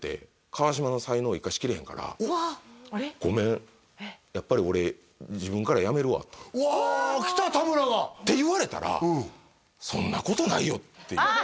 「川島の才能を生かしきれへんから」「ごめんやっぱり俺自分からやめるわ」とわー来た田村が！って言われたら思わず？